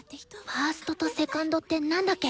ファーストとセカンドってなんだっけ？